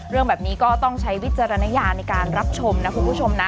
เรื่องแบบนี้ก็ต้องใช้วิจารณญาณในการรับชมนะคุณผู้ชมนะ